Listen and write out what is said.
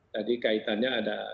tadi kaitannya ada